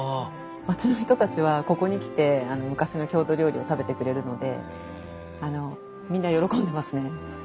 町の人たちはここに来て昔の郷土料理を食べてくれるのでみんな喜んでますね。